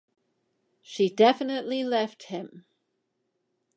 She definitely left him.